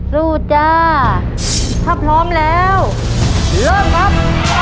สู้จ้าถ้าพร้อมแล้วเริ่มครับ